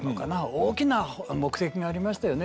大きな目的がありましたよね